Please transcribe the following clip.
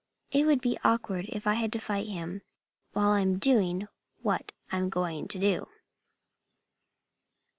It would be awkward if I had to fight him while I'm doing what I'm going to do."